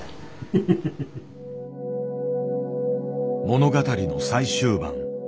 物語の最終盤。